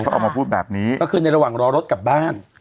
เขาออกมาพูดแบบนี้ก็คือในระหว่างรอรถกลับบ้าน